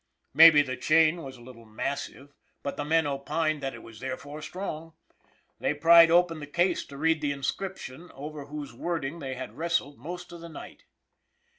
Maybe the chain was a little massive, but the men opined that it was therefore strong. They pried open the case to read the inscription over whose word ing they had wrestled most of a night.